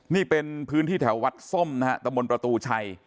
นี่เป็นพื้นที่แถววัดส้มนะฮะตะมนต์ประตูชัย